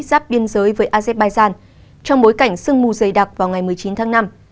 giáp biên giới với azerbaijan trong bối cảnh sương mù dày đặc vào ngày một mươi chín tháng năm